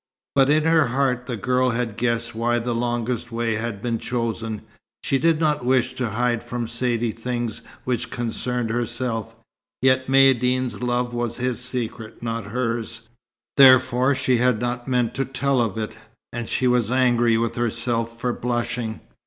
But in her heart the girl had guessed why the longest way had been chosen. She did not wish to hide from Saidee things which concerned herself, yet Maïeddine's love was his secret, not hers, therefore she had not meant to tell of it, and she was angry with herself for blushing.